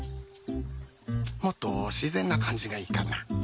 もっと自然な感じがいいかな？